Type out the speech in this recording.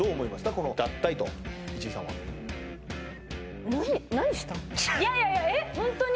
この脱退と市井さんはいやいやいやえっホントに？